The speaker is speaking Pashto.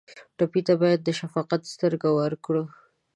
ټپي ته باید د شفقت سترګې ورکړو.